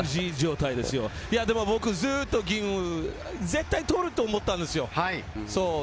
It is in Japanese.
僕、ずっと、吟雲、絶対取ると思ったんですよ。